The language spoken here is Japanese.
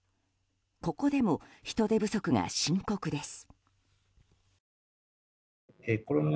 ここでも人手不足が深刻です。